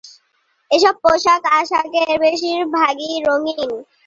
এসব পোশাক-আশাকের বেশির ভাগই রঙিন।